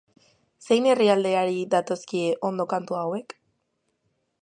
Zein herrialderi datozkie ondo kantu hauek?